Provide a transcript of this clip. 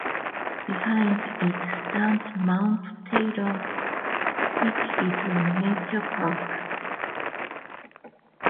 Behind it stands Mount Taylor, which is a nature park.